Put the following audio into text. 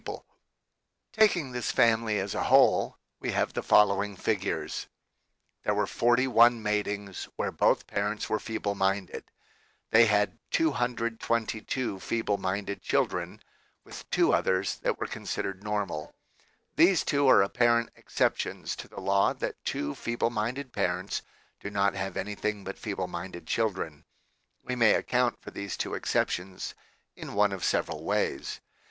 ii4 THE KALLIKAK FAMILY Taking this family as a whole, we have the following figures : There were 41 matings where both parents were feeble minded. They had 222 feeble minded children, with two others that were considered normal. These two are apparent exceptions to the law that two feeble minded parents do not have anything but feeble minded children. We may account for these two exceptions in one of several ways.